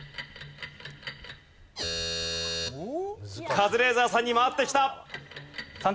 カズレーザーさんに回ってきた。